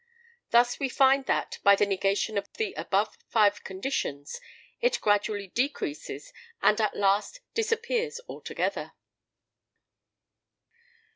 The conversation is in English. Thus we find that, by the negation of the above five conditions, it gradually decreases, and at last disappears altogether.